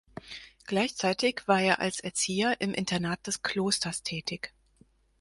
Gleichzeitig war er als Erzieher im Internat des Klosters tätig.